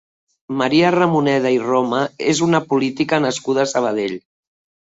Maria Ramoneda i Roma és una política nascuda a Sabadell.